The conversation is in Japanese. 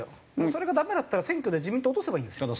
それがダメだったら選挙で自民党落とせばいいんですよ。